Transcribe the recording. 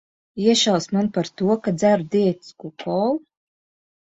Iešausi man par to, ka dzeru diētisko kolu?